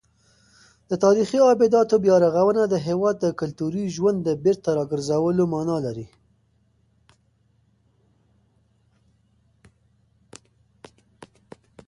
د تاریخي ابداتو بیارغونه د هېواد د کلتوري ژوند د بېرته راګرځولو مانا لري.